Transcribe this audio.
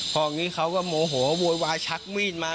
พออย่างนี้เขาก็โมโหโวยวายชักมีดมา